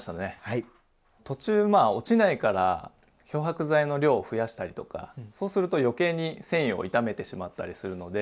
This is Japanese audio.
途中落ちないから漂白剤の量を増やしたりとかそうすると余計に繊維を傷めてしまったりするので。